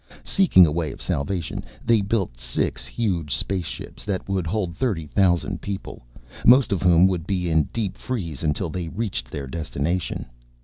Seeking a way of salvation, they built six huge space ships that would hold thirty thousand people, most of whom would be in deep freeze until they reached their destination.